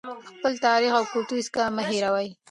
خپل تاریخ او کلتور هېڅکله مه هېروئ.